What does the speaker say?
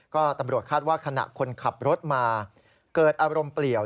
ก็ตำรวจคาดว่าขณะคนขับรถมาเกิดอารมณ์เปลี่ยว